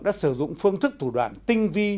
đã sử dụng phương thức thủ đoạn tinh vi